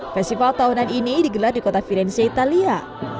festival tahunan ini digelar di kota virenze italia